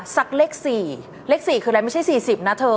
สักเลข๔เลข๔คืออะไรไม่ใช่๔๐นะเธอ